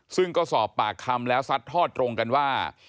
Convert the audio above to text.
ซึ่งก็สอบปากคำแล้วซัดทอดตรงกันว่า